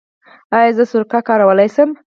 ایا زه سرکه کارولی شم؟